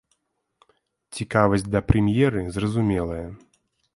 Цікавасць да прэм'еры зразумелая.